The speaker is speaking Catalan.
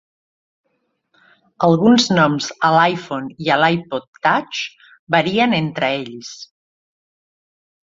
Alguns noms a l'iPhone i l'iPod Touch varien entre ells.